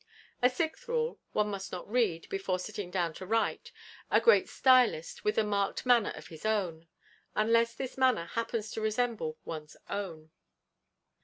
A sixth rule: One must not read, before sitting down to write, a great stylist with a marked manner of his own; unless this manner happens to resemble one's own.